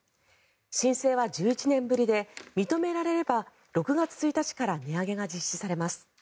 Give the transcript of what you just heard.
申請は１１年ぶりで認められれば６月１日から値上げが実施されます。